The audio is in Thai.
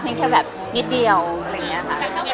แค่แบบนิดเดียวอะไรอย่างนี้ค่ะ